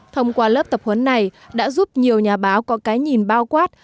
thông qua lớp tập huấn này đã giúp nhiều nhà báo có cái nhìn bao quát